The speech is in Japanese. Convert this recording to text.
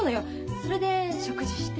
それで食事して。